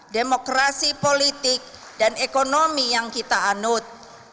demokrasi politik dan ekonomi yang kita anut